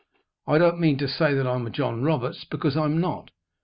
I don't mean to say that I'm a John Roberts, because I'm not.